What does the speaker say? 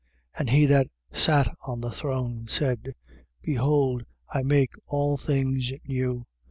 21:5. And he that sat on the throne, said: Behold, I make all things new.